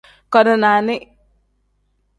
Koni nani.